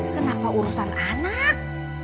kenapa urusan anak